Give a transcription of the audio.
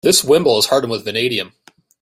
This wimble is hardened with vanadium.